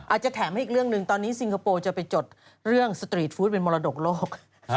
อาจจะแถมให้อีกเรื่องหนึ่งตอนนี้ซิงคโปร์จะไปจดเรื่องสตรีทฟู้ดเป็นมรดกโลก